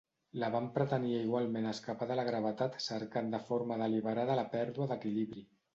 Laban pretenia igualment escapar de la gravetat cercant de forma deliberada la pèrdua d'equilibri.